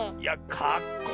かっこいい！